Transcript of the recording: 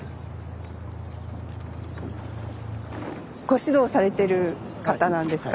ご指導されてる方なんですか？